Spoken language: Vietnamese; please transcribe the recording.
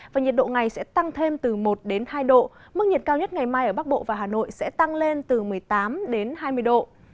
và nhiệt độ ngày sẽ tăng thêm từ một đến hai độ mức nhiệt cao nhất ngày mai ở bắc bộ và hà nội sẽ tăng lên từ một mươi tám hai mươi độ